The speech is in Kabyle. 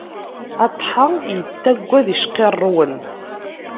Atḥa yettaggad icqirrwen.